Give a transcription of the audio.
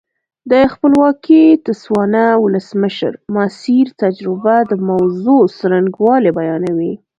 د خپلواکې تسوانا ولسمشر ماسیر تجربه د موضوع څرنګوالی بیانوي.